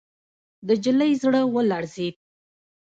د نجلۍ زړه ولړزېد.